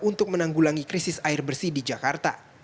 untuk menanggulangi krisis air bersih di jakarta